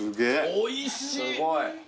おいしい。